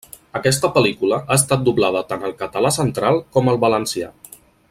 Aquesta pel·lícula ha estat doblada tant al català central com al valencià.